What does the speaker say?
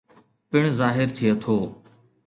پڻ ظاهر ٿئي ٿو